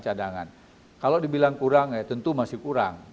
cadangan kalau dibilang kurang ya tentu masih kurang